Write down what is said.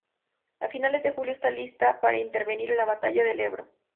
A finales de julio está lista para intervenir en la Batalla del Ebro.